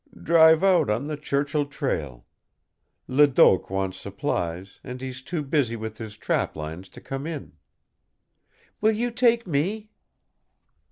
"Drive out on the Churchill trail. Ledoq wants supplies, and he's too busy with his trap lines to come in." "Will you take me?"